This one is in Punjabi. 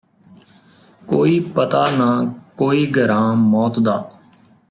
ਕੋਈ ਪਤਾ ਨਾ ਕੋਈ ਗਰਾਂ ਮੌਤ ਦਾ